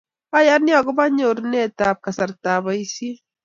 Ayani akobo nyorunetab kasartab boisie